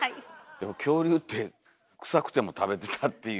でも恐竜ってクサくても食べてたっていう。